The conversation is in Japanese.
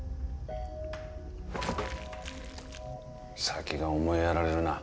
先が思いやられるな。